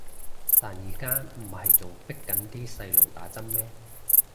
但而家唔係仲迫緊啲細路打針咩